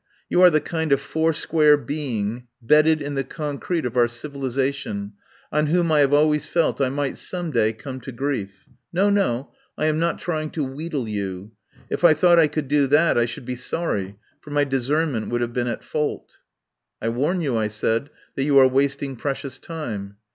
You are the kind of four square being bedded in the concrete of our civilisation, on whom I have always felt I might some day come to grief. ... No, no, I am not trying to wheedle you. If I thought I could do that I should be sorry, for my discernment would have been at fault" "I warn you," I said, "that you are wasting precious time."